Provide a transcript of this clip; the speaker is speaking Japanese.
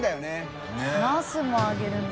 佑Аナスも揚げるんだ。